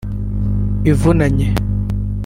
ivunanye